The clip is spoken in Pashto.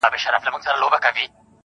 وموږ تې سپكاوى كاوه زموږ عزت يې اخيست.